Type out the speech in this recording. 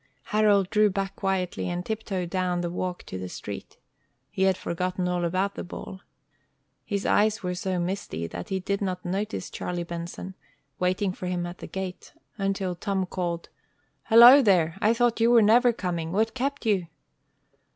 Harold drew back quietly, and tiptoed down the walk to the street. He had forgotten all about the ball. His eyes were so misty that he did not notice Charlie Benson, waiting for him at the gate, until Tom called: "Hello there! I thought you were never coming, What kept you?"